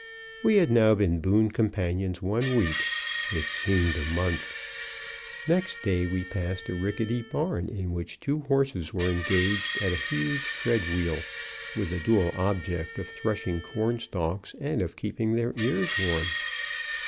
We had now been boon companions one week; it seemed a month. Next day, we passed a rickety barn in which two horses were engaged at a huge tread wheel, with the dual object of threshing corn stalks and of keeping their ears warm.